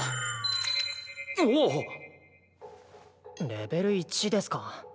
レベル１ですか。